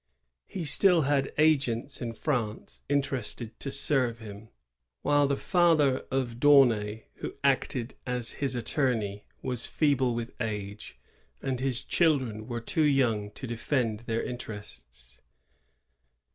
He still had agents in France interested to serve him; while the father of D'Aunay, who acted as his attorney, was feeble with age, and his children were too young to defend their interests.